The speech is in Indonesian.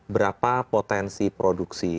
berapa potensi produksi